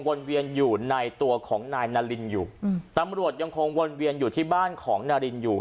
วนเวียนอยู่ในตัวของนายนารินอยู่อืมตำรวจยังคงวนเวียนอยู่ที่บ้านของนารินอยู่